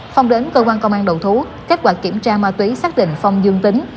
phong đến cơ quan công an đầu thú kết quả kiểm tra ma túy xác định phong dương tính